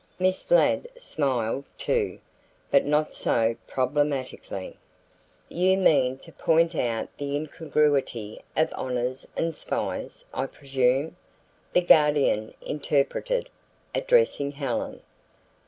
Miss Ladd smiled, too, but not so problematically. "You mean to point out the incongruity of honors and spies, I presume," the Guardian interpreted, addressing Helen.